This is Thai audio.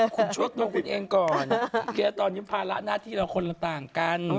คุณชดตัวคุณเองก่อนแกตอนนี้ภาระหน้าที่เราคนละต่างกัน